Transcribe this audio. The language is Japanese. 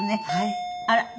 あら。